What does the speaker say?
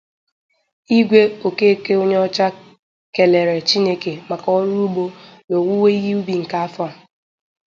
Igwe Okekeonyeocha kelele Chineke maka ọrụ ugbo na owuwe ihe ubi nke afọ a